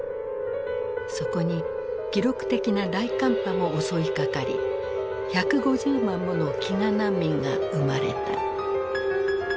そこに記録的な大寒波も襲いかかり１５０万もの飢餓難民が生まれた。